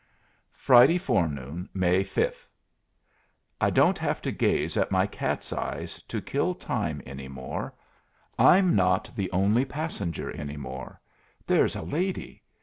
Friday forenoon, May 5. I don't have to gaze at my cat's eyes to kill time any more. I'm not the only passenger any more. There's a lady.